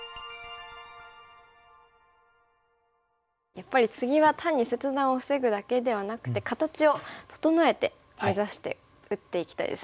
やっぱりツギは単に切断を防ぐだけではなくて形を整えて目指して打っていきたいですね。